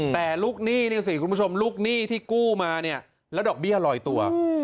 แต่ลุกหนี้ที่กู้มาเนี่ยและดอกเบี้ยลอยตัว